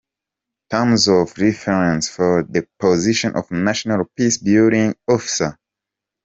Terms of Reference for the position of a National Peace-building Officer.